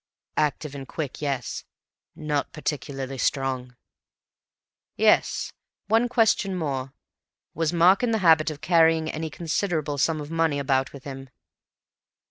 "Active and quick, yes. Not particularly strong." "Yes.... One question more. Was Mark in the habit of carrying any considerable sum of money about with him?"